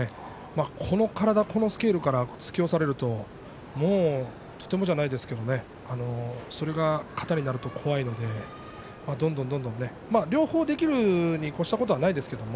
この体、このスケールから突き押されるととてもじゃないですけれどそれが型になると怖いのでどんどんどんどん両方できるに越したことはありませんけどね。